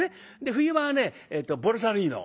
冬場はねボルサリーノ。